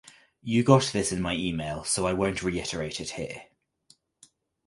You got this in my email, so I won’t reiterate it here.